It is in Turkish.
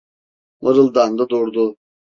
Mırıldandı durdu: